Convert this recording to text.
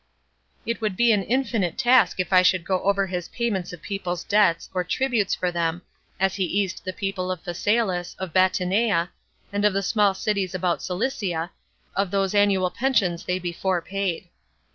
It would be an infinite task if I should go over his payments of people's debts, or tributes, for them, as he eased the people of Phasaelis, of Batanea, and of the small cities about Cilicia, of those annual pensions they before paid.